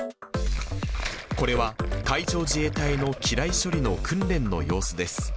これは、海上自衛隊の機雷処理の訓練の様子です。